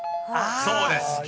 ［そうです。